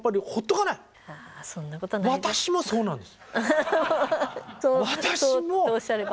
はいそうなんです。